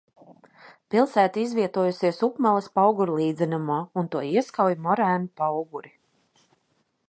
Pilsēta izvietojusies Upmales paugurlīdzenumā un to ieskauj morēnu pauguri.